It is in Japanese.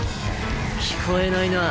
聞こえないな。